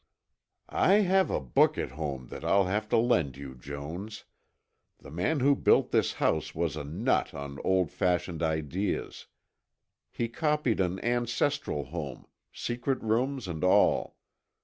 "I have a book at home that I'll have to lend you, Jones. The man who built this house was a nut on old fashioned ideas. He copied an ancestral home, secret rooms and all.